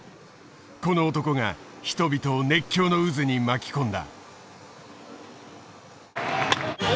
この男が人々を熱狂の渦に巻き込んだ。